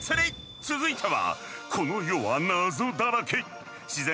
続いては。